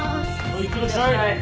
いってらっしゃい。